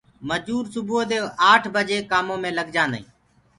مجور سبوو دي آٺ بجي ڪآمو مي لگ جآنٚدآئينٚ